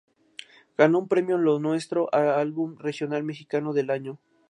Ganó un Premio Lo Nuestro a Álbum Regional Mexicano del Año.